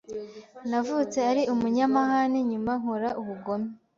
Navutse ari umunyamahane, nyuma nkora ubugome.